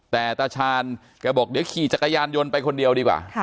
แต่ตาชาญแกบอกเดี๋ยวขี่จักรยานยนต์ไปคนเดียวดีกว่า